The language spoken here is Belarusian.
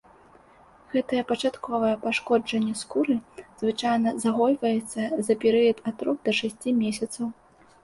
Гэтае пачатковае пашкоджанне скуры звычайна загойваецца за перыяд ад трох да шасці месяцаў.